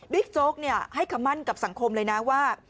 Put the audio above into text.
บิ๊กโจ๊กให้ขมันกับสังคมเลยนะว่า